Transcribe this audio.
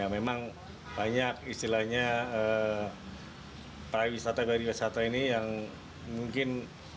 memang banyak istilahnya para wisata dari wisata ini yang mungkin